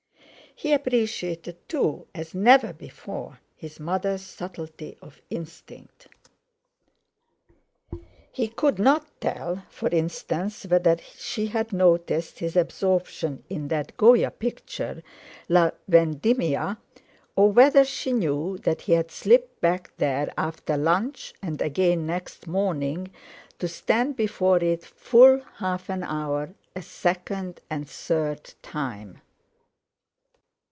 He appreciated, too, as never before, his mother's subtlety of instinct. He could not tell, for instance, whether she had noticed his absorption in that Goya picture, "La Vendimia," or whether she knew that he had slipped back there after lunch and again next morning, to stand before it full half an hour, a second and third time.